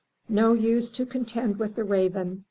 "No use to contend with the Raven!"